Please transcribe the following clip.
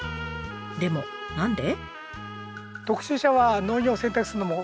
でも何で？